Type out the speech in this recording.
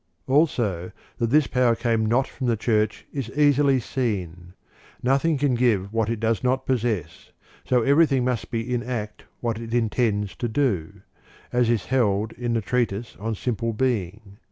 4. Also, that this power csLxnt not from the Church is easily seen. Nothing can give what it does not possess, so everything must be in act what it intends to do, as is held in the treatise on simple Being!"